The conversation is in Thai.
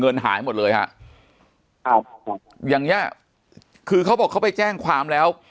หายหมดเลยฮะครับอย่างเงี้ยคือเขาบอกเขาไปแจ้งความแล้ว